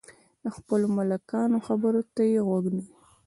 د خپلو ملکانو خبرو ته یې غوږ نیوی.